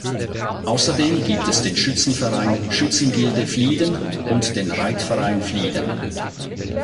Außerdem gibt es den Schützenverein "Schützengilde Flieden" und den "Reitverein Flieden".